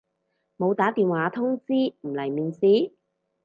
冇打電話通知唔嚟面試？